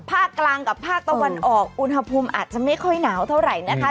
ภาคกลางกับภาคตะวันออกอุณหภูมิอาจจะไม่ค่อยหนาวเท่าไหร่นะคะ